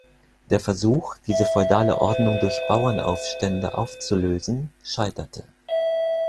Der Versuch, diese feudale Ordnung durch Bauernaufstände aufzulösen, scheiterte.